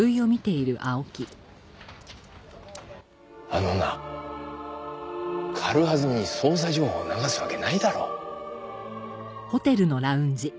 あのな軽はずみに捜査情報流すわけないだろ。